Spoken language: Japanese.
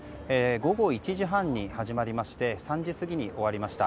午後１時半に始まりまして３時過ぎに終わりました。